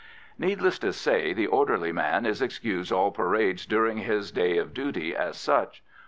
Needless to say, the orderly man is excused all parades during his day of duty as such.